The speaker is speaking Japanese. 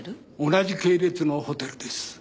同じ系列のホテルです。